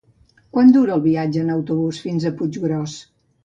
Quant dura el viatge en autobús fins a Puiggròs?